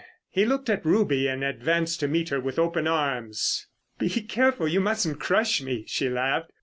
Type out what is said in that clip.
He looked at Ruby, and advanced to meet her with open arms. "Be careful, you mustn't crush me," she laughed.